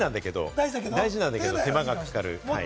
大事なんだけれども手間がかかる。